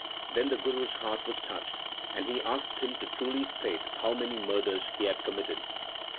Then the Guru s heart was touched, and he asked him to truly state how many murders he had committed.